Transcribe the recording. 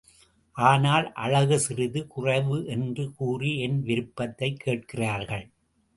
ஆனால் அழகு சிறிது குறைவு என்று கூறி என் விருப்பத்தைக் கேட்கிறார்கள்.